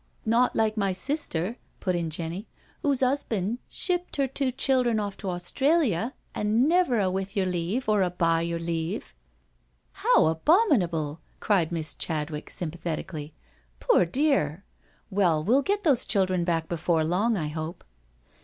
"Not like my sister/' put in Jenny, " whose hus band shippt 'er two childern off to Australia and never a • with your leave, or by your leave.* " "How abominable r* cried Miss Chadwick sympa thetically. '* Poor dear I Well, we'll get those children back before long, I hope.